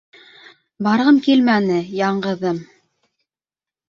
— Барғым килмәне, яңғыҙым...